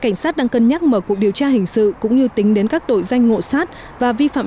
cảnh sát đang cân nhắc mở cuộc điều tra hình sự cũng như tính đến các tội danh ngộ sát và vi phạm